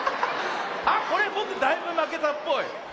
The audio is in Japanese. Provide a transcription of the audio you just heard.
あっこれぼくだいぶまけたっぽい。